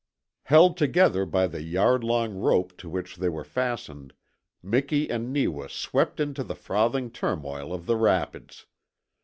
Held together by the yard long rope to which they were fastened, Miki and Neewa swept into the frothing turmoil of the rapids.